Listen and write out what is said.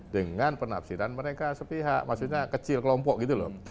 dengan penafsiran mereka sepihak maksudnya kecil kelompok gitu loh